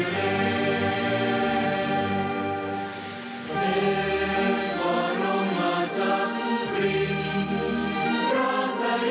ดังมีความสุขความจนทำไมโอ้เธอเร็วร่าฝันท่าเมีย